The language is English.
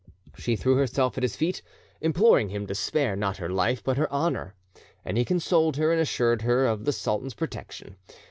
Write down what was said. She threw herself at his feet, imploring him to spare, not her life, but her honour; and he consoled her, and assured her of the sultan's protection.